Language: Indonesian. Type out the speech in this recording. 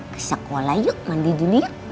ke sekolah yuk mandi dulu